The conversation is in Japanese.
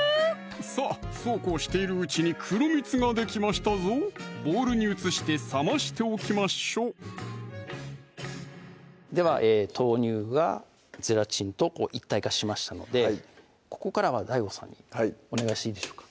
さぁそうこうしているうちに黒蜜ができましたぞボウルに移して冷ましておきましょうでは豆乳がゼラチンと一体化しましたのでここからはＤＡＩＧＯさんにお願いしていいでしょうか？